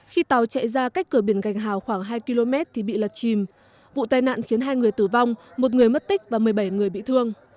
khi tàu chạy ra cách cửa biển gạch hào khoảng hai km thì bị lật chìm vụ tai nạn khiến hai người tử vong một người mất tích và một mươi bảy người bị thương